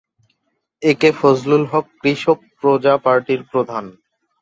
একে ফজলুল হক কৃষক প্রজা পার্টির প্রধান।